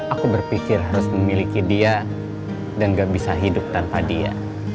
aku berpikir harus memiliki dia dan gak bisa hidup tanpa dia